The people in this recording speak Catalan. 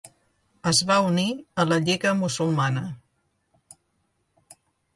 Es va unir a la Lliga Musulmana.